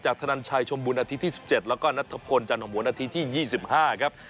จากธนาชัยชมบุญอาทิตย์ที่สิบเจ็ดแล้วก็นัดทบคลจันทร์ของบุญอาทิตย์ที่ยี่สิบห้าครับ